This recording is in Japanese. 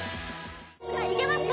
さあいけますか？